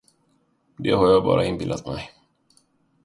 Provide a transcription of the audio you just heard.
Det har jag bara inbillat mig.